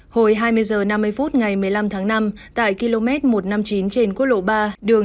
hồi hai mươi h năm mươi phút ngày một mươi năm tháng năm tại km một trăm năm mươi chín trên quốc lộ ba đường